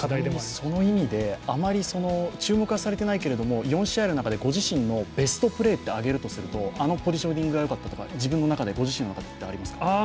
その意味であまり注目されてないけど４試合の中でご自身のベストプレーを挙げるとするとあのポジショニングがよかったとか、ご自身の中でありますか？